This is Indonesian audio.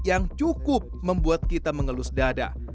yang cukup membuat kita mengelus dada